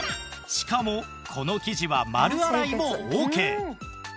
しかもこの生地は丸洗いもオーケー